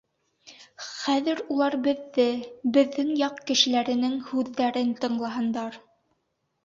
Хәҙер улар беҙҙе, беҙҙең яҡ кешеләренең һүҙҙәрен тыңлаһындар.